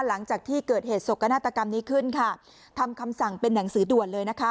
หลังจากที่เกิดเหตุสกนาฏกรรมนี้ขึ้นค่ะทำคำสั่งเป็นหนังสือด่วนเลยนะคะ